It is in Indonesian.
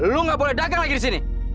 lu nggak boleh dagang lagi disini